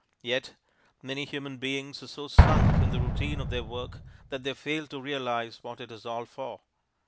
Yet many human beings are so sunk in the routine of their work that they fail to realize what it is all for.